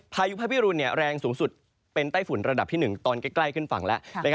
พายุพระพิรุนแรงสูงสุดเป็นไต้ฝุ่นระดับที่๑ตอนใกล้ขึ้นฝั่งแล้ว